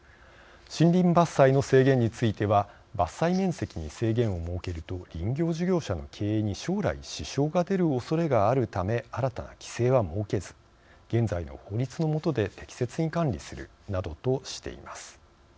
森林伐採の制限については伐採面積に制限を設けると林業事業者の経営に将来支障が出るおそれがあるため新たな規制は設けず現在の法律の下で適切に管理するなどとしています。